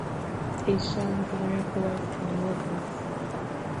It shuns rainforests and woodlands.